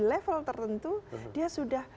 level tertentu dia sudah